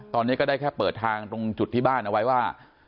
ตอนนี้ก็ได้แค่เปิดทางตรงจุดที่บ้านเอาไว้ว่า